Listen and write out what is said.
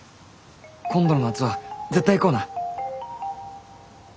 今度の夏は絶対行こうな。